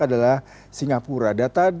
adalah singapura data